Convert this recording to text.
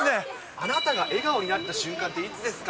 あなたが笑顔になった瞬間っていつですか？